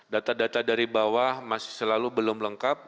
data data dari bawah masih selalu belum lengkap